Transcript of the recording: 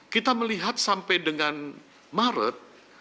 kita melihat sampai dengan maret